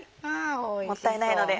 もったいないので。